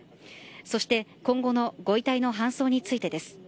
そして今後のご遺体の搬送についてです。